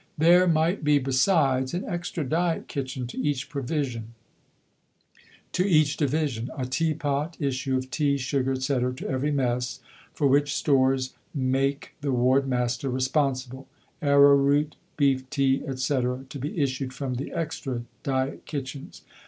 There might be, besides, an Extra Diet Kitchen to each division; a teapot, issue of tea, sugar, etc., to every mess, for which stores make the Ward Master responsible; arrow root, beef tea, etc., to be issued from the Extra Diet Kitchens.